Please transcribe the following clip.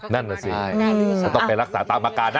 นั่นแหละสิต้องไปรักษาตามการนะ